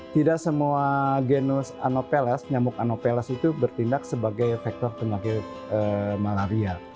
tidak semua genus anoples nyamuk anopheles itu bertindak sebagai faktor penyakit malaria